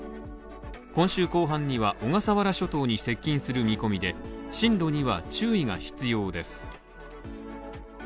今週後半には、小笠原諸島に接近する見込みで進路には注意が必要です。